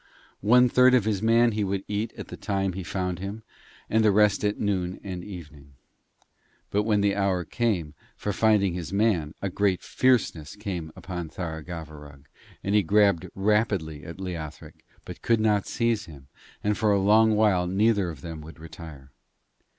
One third of his man he would eat at the time he found him, and the rest at noon and evening. But when the hour came for finding his man a great fierceness came on Tharagavverug, and he grabbed rapidly at Leothric, but could not seize him, and for a long while neither of them would retire.